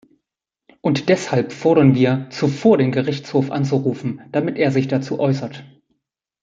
Und deshalb fordern wir, zuvor den Gerichtshof anzurufen, damit er sich dazu äußert.